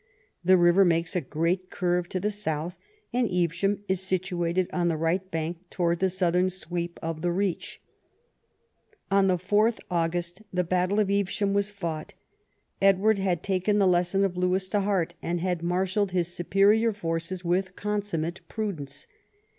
The river makes a great curve to the south, and Evesham is situated on the right bank towards the southern sweep of the reach. On 4th August the battle of Evesham was fought. Edward had taken the lesson of Lewes to heart, and had marshalled his superior forces with consummate prudence.